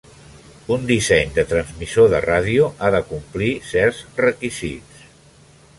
Un disseny de transmissor de ràdio ha de complir certs requisits.